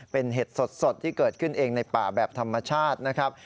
เป็นเห็ดสดที่เกิดขึ้นเองในป่าแบบธรรมชาตินะครับ